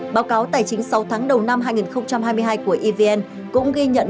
báo cáo tài chính sáu tháng đầu năm hai nghìn hai mươi hai của evn cũng ghi nhận